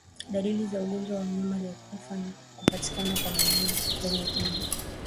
Dalili za ugonjwa kwa mnyama aliyekufa ni kupatikana kwa minyoo kwenye ini